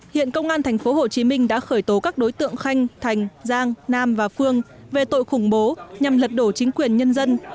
hiện công an tp hcm đã khởi tố các đối tượng khanh thành giang nam và phương về tội khủng bố nhằm lật đổ chính quyền nhân dân